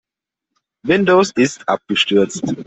Windows ist abgestürzt.